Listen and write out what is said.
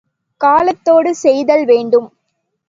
காலத் தோடு செய்தல்வேண்டும்.